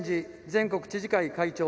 全国知事会会長